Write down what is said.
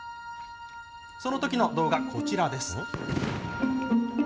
そのときの動画、こちらです。